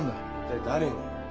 一体誰に？